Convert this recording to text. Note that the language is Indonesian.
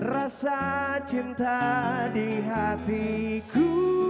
rasa cinta di hatiku